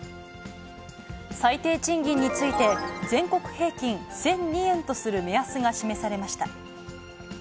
最低賃金について、全国平均１００２円とする目安が示されました。